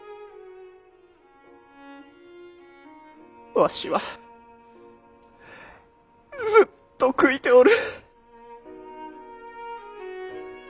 わしはずっと悔いておる。